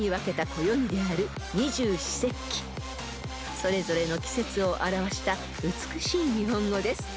［それぞれの季節を表した美しい日本語です］